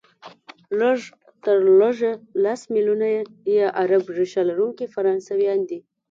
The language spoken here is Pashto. لږ تر لږه لس ملیونه یې عرب ریشه لرونکي فرانسویان دي،